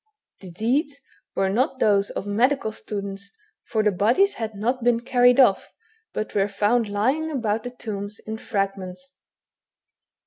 The deeds were not those of medical students, for the bodies had not been carried oflf, but were found lying about the tombs in fragments.